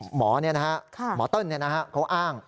หมอเนี่ยนะฮะหมอเติ้ลเนี่ยนะฮะเขาอ้าง